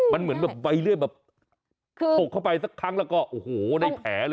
มันเหมือนว่าใบเรื่อยแบบคกเข้าไปสักครั้งหุ่มแหน่เลย